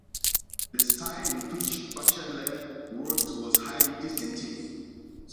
The style in which Batchelder worked was highly distinctive.